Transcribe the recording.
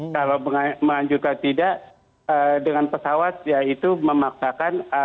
kalau melanjutkan tidak dengan pesawat ya itu memaksakan